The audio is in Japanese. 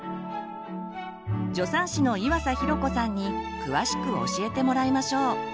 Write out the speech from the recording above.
助産師の岩佐寛子さんに詳しく教えてもらいましょう。